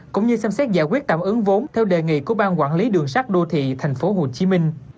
cũng như xem xét giải quyết tạm ứng vốn theo đề nghị của bang quản lý đường sát đô thị thành phố hồ chí minh